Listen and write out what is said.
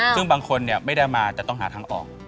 ซึ่งบางคนไม่ได้มาจะต้องหาทางออก